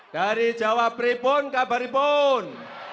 dari jawa peribun ke baribun